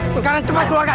sekarang cuma doakan